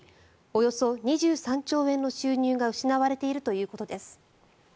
およそ２３兆円の収入が失われているということです。